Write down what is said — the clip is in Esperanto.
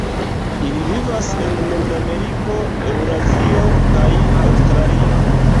Ili vivas en Nordameriko, Eŭrazio kaj Aŭstralio.